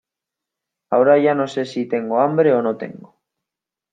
Ahora ya no sé si tengo hambre o no tengo.